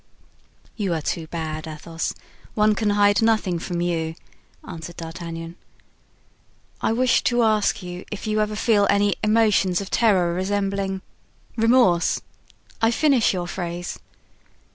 "You are too bad, Athos; one can hide nothing from you," answered D'Artagnan. "I wished to ask you if you ever feel any emotions of terror resembling——" "Remorse! I finish your phrase.